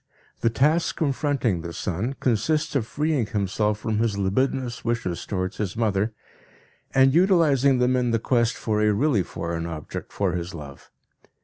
The task confronting the son consists of freeing himself from his libidinous wishes towards his mother and utilizing them in the quest for a really foreign object for his love.